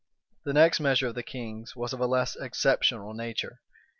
The next measure of the king's was of a less exceptionable nature.